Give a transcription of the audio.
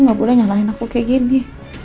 lu gak boleh nyalahin aku kayak gini